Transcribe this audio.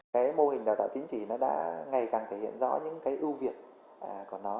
cái mô hình đào tạo tính chỉ nó đã ngày càng thể hiện rõ những cái ưu việt của nó